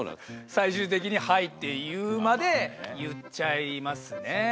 最終的に「はい」って言うまで言っちゃいますね。